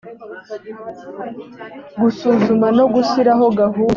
gusuzuma no gushyiraho gahunda